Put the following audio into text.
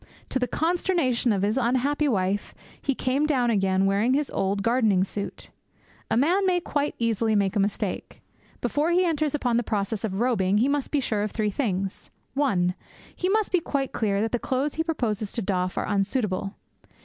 To the consternation of his unhappy wife he came down again wearing his old gardening suit. A man may quite easily make a mistake. Before he enters upon the process of robing he must be sure of three things: (1) He must be quite clear that the clothes he proposes to doff are unsuitable.